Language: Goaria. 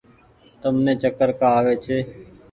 تم ني چڪر ڪآ آوي ڇي۔